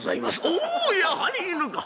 「おおやはり犬か。